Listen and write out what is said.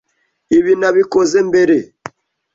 Ibi nabikoze mbere.